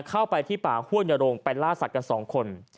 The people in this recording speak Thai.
เข้าไปที่ป่าห้วนอย่ารงไปลากสัตว์กัน๒คน